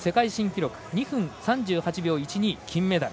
２分３８秒１２、金メダル。